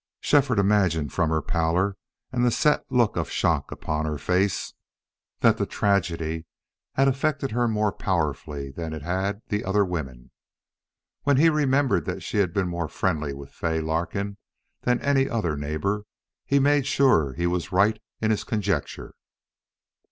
Shefford imagined from her pallor and the set look of shock upon her face, that the tragedy had affected her more powerfully than it had the other women. When he remembered that she had been more friendly with Fay Larkin than any other neighbor, he made sure he was right in his conjecture.